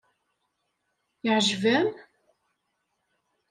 Yeɛjeb-am?